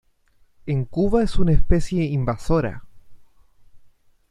En Cuba es una especie invasora.